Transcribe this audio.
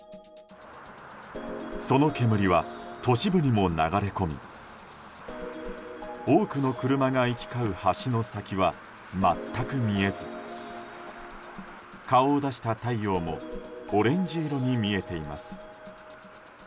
その煙は都市部にも流れ込み多くの車が行き交う橋の先は全く見えず顔を出した太陽もオレンジ色に見えています。